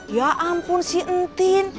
ya ampun sih entin